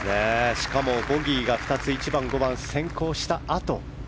しかもボギーが２つ１番、５番と先行したあとに。